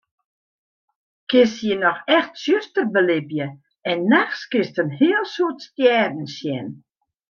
Kinst hjir noch echt tsjuster belibje en nachts kinst in heel soad stjerren sjen.